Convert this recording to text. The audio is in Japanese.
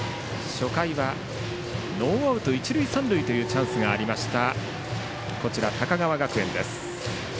初回はノーアウト一塁三塁というチャンスがあった高川学園です。